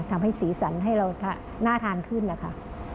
ทำให้สีสันให้เราน่าทานขึ้นค่ะ